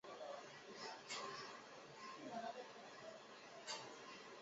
肉质酥软浓香。